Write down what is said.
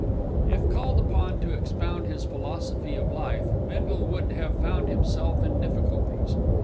If called upon to expound his philosophy of life Bindle would have found himself in difficulties.